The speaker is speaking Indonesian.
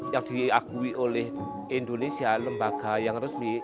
yang diakui oleh indonesia lembaga yang resmi